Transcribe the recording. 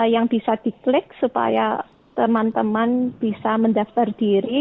yang bisa diklik supaya teman teman bisa mendaftar diri